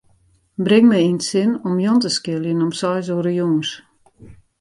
Bring my yn it sin om Jan te skiljen om seis oere jûns.